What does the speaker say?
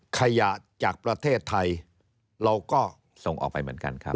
ขยะจากประเทศไทยเราก็ส่งออกไปเหมือนกันครับ